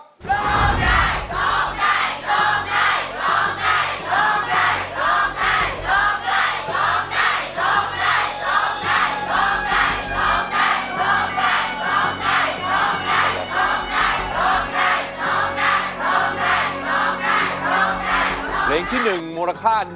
ร้องได้ร้องได้ร้องได้ร้องได้ร้องได้